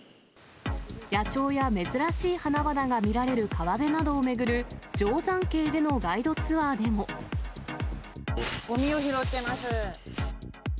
野鳥や珍しい花々が見られる川辺などを巡る定山渓でのガイドツアごみを拾っています。